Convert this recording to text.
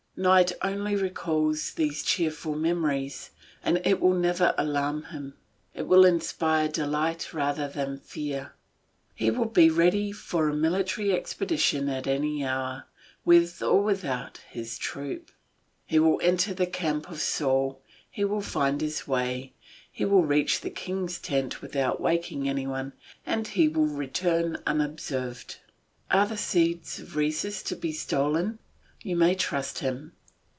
Night only recalls these cheerful memories, and it will never alarm him; it will inspire delight rather than fear. He will be ready for a military expedition at any hour, with or without his troop. He will enter the camp of Saul, he will find his way, he will reach the king's tent without waking any one, and he will return unobserved. Are the steeds of Rhesus to be stolen, you may trust him.